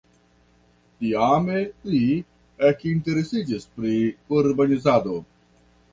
Tiame li ekinteresiĝis pri urbanizado.